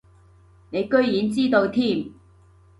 你居然知道添